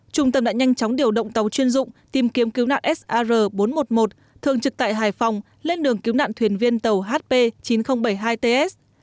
trung tâm đã nhanh chóng điều động tàu chuyên dụng tìm kiếm cứu nạn sr bốn trăm một mươi một thường trực tại hải phòng lên đường cứu nạn thuyền viên tàu hp chín nghìn bảy mươi hai ts